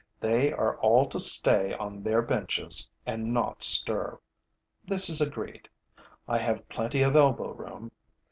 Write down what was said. They are all to stay on their benches and not stir. This is agreed. I have plenty of elbow room.